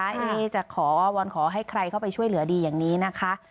อันนี้จะขอวอนขอให้ใครเข้าไปช่วยเหลือดีอย่างนี้นะคะ